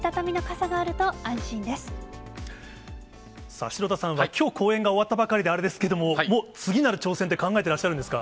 さあ、城田さんはきょう、公演が終わったばかりであれですけども、もう次なる挑戦って考えてらっしゃるんですか？